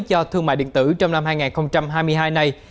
cho thương mại điện tử trong năm hai nghìn hai mươi hai này